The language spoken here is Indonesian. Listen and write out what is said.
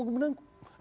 hanya prima dikutuk